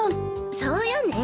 そうよね。